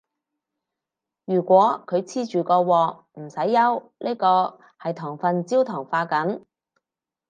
如果佢黐住個鑊，唔使憂，呢個係糖分焦糖化緊